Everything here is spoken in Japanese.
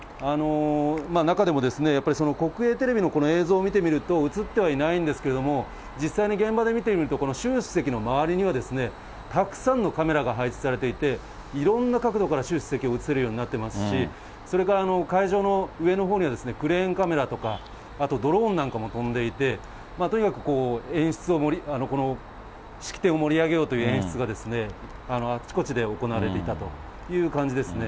中でもやっぱり国営テレビのこの映像を見てみると、映ってはいないんですけれども、実際に現場で見てみると、この習主席の周りにはたくさんのカメラが配置されていて、いろんな角度から習主席が映るようになってますし、それから会場の上のほうには、クレーンカメラとか、あとドローンなんかも飛んでいて、とにかく演出を、式典を盛り上げようという演出があちこちで行われていたという感じですね。